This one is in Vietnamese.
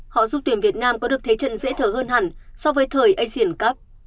họ giúp tuyển việt nam có được thế trận dễ thở hơn hẳn so với thời asian cup